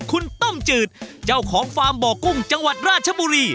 คุณต้มจืดเจ้าของฟาร์มบ่อกุ้งจังหวัดราชบุรี